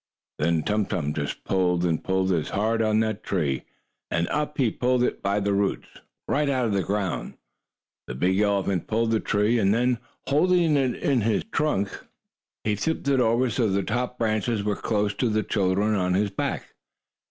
Then Tum Tum just pulled and pulled as hard on that tree, and up he pulled it by the roots. Right out of the ground the big elephant pulled the tree, and then, holding it in his strong trunk, he tipped it over so the top branches were close to the children on his back.